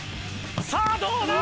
さあどうだ？